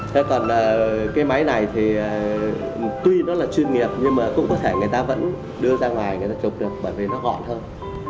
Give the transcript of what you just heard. thế còn cái máy này thì tuy nó là chuyên nghiệp nhưng mà cũng có thể người ta vẫn đưa ra ngoài người ta chụp được bởi vì nó gọn hơn